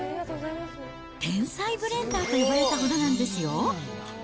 天才ブレンダーと呼ばれたほどなんですよ。